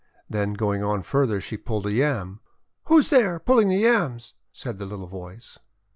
Then, going on farther, she pulled a Yam. "Who is there, pulling the Yams?' said the little voice.